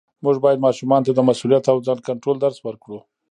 موږ باید ماشومانو ته د مسؤلیت او ځان کنټرول درس ورکړو